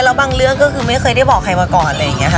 แล้วบางเรื่องก็คือไม่เคยได้บอกใครมาก่อนอะไรอย่างนี้ค่ะ